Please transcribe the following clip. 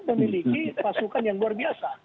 memiliki pasukan yang luar biasa